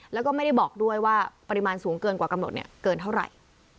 แล้วก็ไม่ได้บอกด้วยว่าปริมาณสูงเกินกว่ากำหนดเกินเท่าไหร่